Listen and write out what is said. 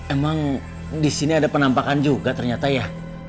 emang disini ada penampakan juga ternyata ya